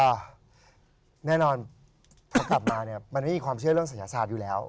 ก็แน่นอนพอกลับมาเนี่ยมันไม่มีความเชื่อเรื่องศัยศาสตร์อยู่แล้ว